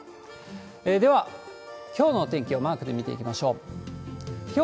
では、きょうのお天気をマークで見ていきましょう。